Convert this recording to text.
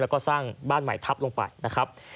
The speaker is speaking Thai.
แล้วก็สร้างบ้านใหม่ทับลงไปนะครับ